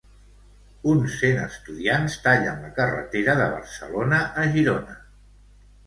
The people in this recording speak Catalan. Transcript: Uns cent estudiants tallen la carretera de Barcelona a Girona.